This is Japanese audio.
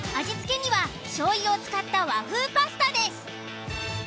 味付けには醤油を使った和風パスタです。